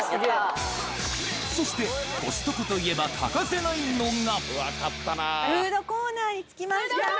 そしてコストコといえば欠かせないのが。